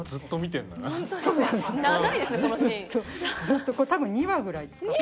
ずっと多分２話ぐらい使って。